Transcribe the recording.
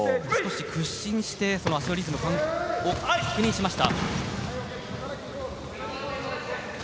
屈身をしてリズムを確認しました。